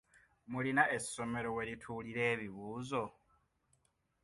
Mulina essomero werituulira ebibuuzo?